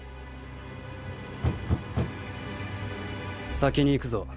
先に行くぞ。